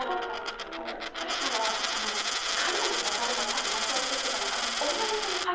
そしたら彼女か誰か多分待ち合わせしてたのか。